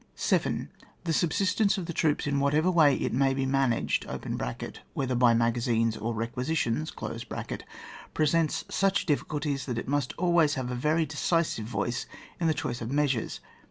7. The' subsistence of the troops in whatever way it may be managed, (whether by magazines or requisitions), presents such difficulties that it must always have a very decisive voice in the choice of measures.